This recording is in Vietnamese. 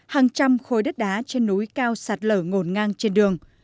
hàng trăm khối đất đá trên núi cao sạt lở ngồn ngang trên đường